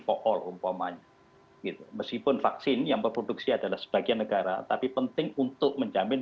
for all umpamanya meskipun vaksin yang berproduksi adalah sebagian negara tapi penting untuk menjamin